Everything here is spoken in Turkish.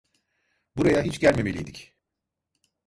Buraya hiç gelmemeliydik.